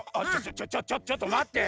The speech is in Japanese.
ちょちょちょっとまって。